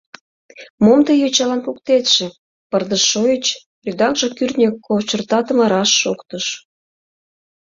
— Мом тый йочалан куктетше! — пырдыж шойыч рӱдаҥше кӱртньӧ кочыртатыме раш шоктыш.